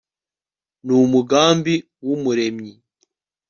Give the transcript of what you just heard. numugambi wUmuremyi